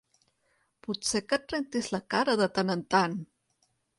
Potser que et rentis la cara de tan en tant!